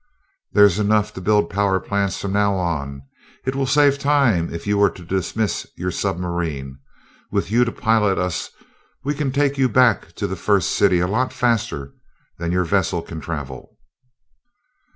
"There's enough to build power plants from now on. It would save time if you were to dismiss your submarine. With you to pilot us, we can take you back to the First City a lot faster than your vessel can travel."